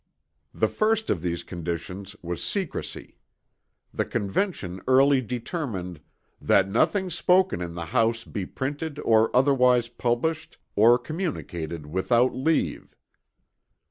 The first of these conditions was secrecy. The Convention early determined "That nothing spoken in the House be printed or otherwise published or communicated without leave."